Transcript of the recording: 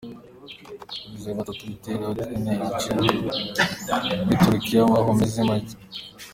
Bugize gatatu haba ibitero nka bene ico muri Turkiya muri ano mezi make aheze.